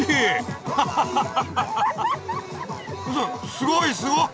すごいすごい！